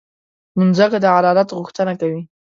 مځکه د عدالت غوښتنه کوي.